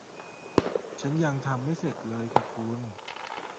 ฉันยังทำไม่เสร็จเลยค่ะคุณ